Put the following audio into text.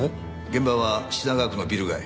現場は品川区のビル街。